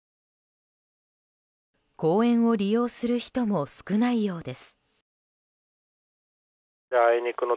公園を利用する人も少ないようです。